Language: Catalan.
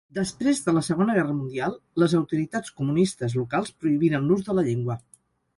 Després de la Segona Guerra Mundial les autoritats comunistes locals prohibiren l'ús de la llengua.